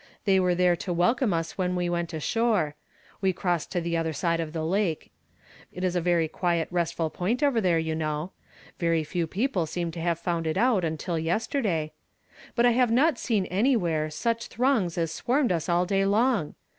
They were there to welcome us when we went asliore ; we crossed to the other side of the lake ; it is a very quiet, restful point over there, j^ou know. Very few people seem to have found it out, uniil yester day, — but I have not seen anywhere, such throngs as swarmed us all day long.